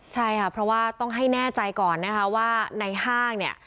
ใช่ค่ะเพราะว่าต้องให้แน่ใจก่อนนะคะว่าในห้างเนี่ย